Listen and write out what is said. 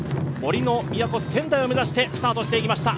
杜の都・仙台を目指してスタートしていきました。